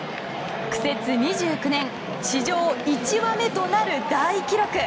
苦節２９年史上１羽目となる大記録。